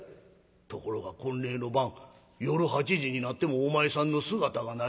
ところが婚礼の晩夜８時になってもお前さんの姿がない。